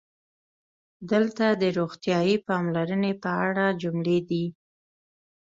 دلته د "روغتیايي پاملرنې" په اړه جملې دي: